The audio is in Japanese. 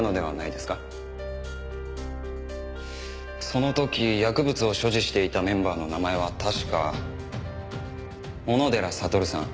その時薬物を所持していたメンバーの名前は確か小野寺悟さん。